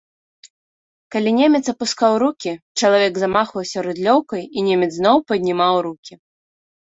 Калі немец апускаў рукі, чалавек замахваўся рыдлёўкай і немец зноў паднімаў рукі.